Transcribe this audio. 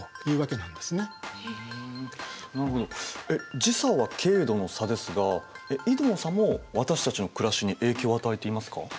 えっ時差は経度の差ですが緯度の差も私たちの暮らしに影響を与えていますか？